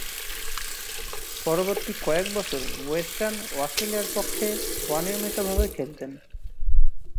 পরবর্তী কয়েকবছর ওয়েস্টার্ন অস্ট্রেলিয়ার পক্ষে অনিয়মিতভাবে খেলতেন।